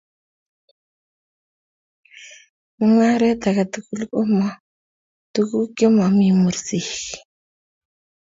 Mong'aree aketugul ko mo tuguk ye momii mursik.